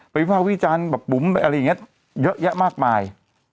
วิภาควิจารณ์แบบบุ๋มอะไรอย่างนี้เยอะแยะมากมาย